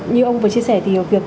như ông vừa chia sẻ thì việc